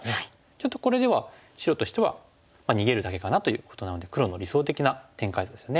ちょっとこれでは白としては逃げるだけかなということなので黒の理想的な展開ですよね。